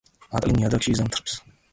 მატლი ნიადაგში იზამთრებს.